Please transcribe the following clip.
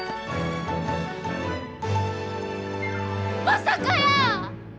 まさかやー！